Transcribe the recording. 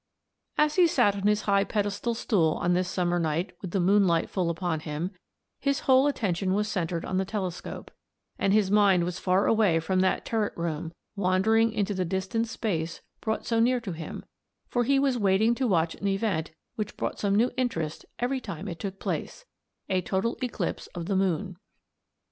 As he sat on his high pedestal stool on this summer night with the moonlight full upon him, his whole attention was centred on the telescope, and his mind was far away from that turret room, wandering into the distant space brought so near to him; for he was waiting to watch an event which brought some new interest every time it took place a total eclipse of the moon.